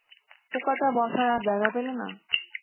পোকাটা বসার আর জায়গা পেল না!